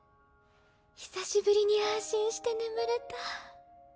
久しぶりに安心して眠れた。